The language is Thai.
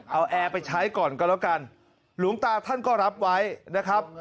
เอาแอร์ไปใช้ก่อนก็แล้วกันหลวงตาท่านก็รับไว้นะครับ